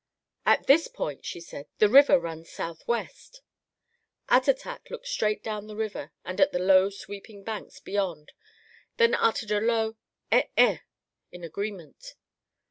"At this point," she said, "the river runs southwest." Attatak looked straight down the river and at the low sweeping banks beyond, then uttered a low: "Eh eh," in agreement.